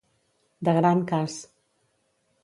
De gran cas.